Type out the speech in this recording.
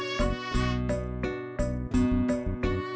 saya sudah berjalan